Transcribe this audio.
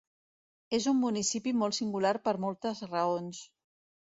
És un municipi molt singular per moltes raons.